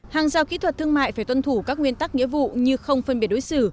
hàng rào kỹ thuật thương mại phải tuân thủ các nguyên tắc nghĩa vụ như không phân biệt đối xử